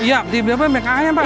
iya banyak ayam pak